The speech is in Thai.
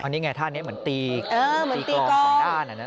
อันนี้ไงท่านี้เหมือนตีกรองสองด้าน